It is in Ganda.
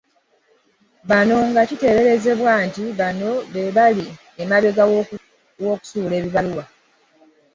Bano nga kiteeberezebwa nti bano be bali emabega w'okusuula ebibaluwa